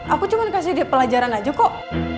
aku cuma kasih di pelajaran aja kok